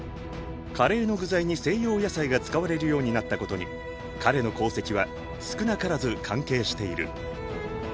カレーの具材に西洋野菜が使われるようになったことに彼の功績は少なからず関係している。